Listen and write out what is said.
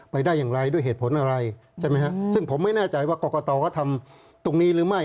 ได้อย่างไรด้วยเหตุผลอะไรใช่ไหมฮะซึ่งผมไม่แน่ใจว่ากรกตเขาทำตรงนี้หรือไม่